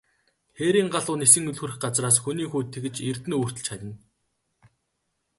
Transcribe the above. Хээрийн галуу нисэн үл хүрэх газраас, хүний хүү тэгж эрдэнэ өвөртөлж харина.